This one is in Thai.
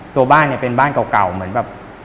ตัวบ้านเป็นบ้านเก่า